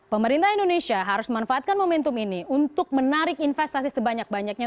pemerintah indonesia harus memanfaatkan momentum ini untuk menarik investasi sebanyak banyaknya